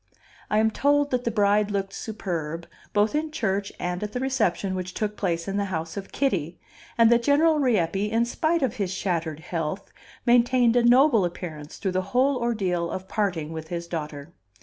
I am told that the bride looked superb, both in church and at the reception which took place in the house of Kitty; and that General Rieppe, in spite of his shattered health, maintained a noble appearance through the whole ordeal of parting with his daughter.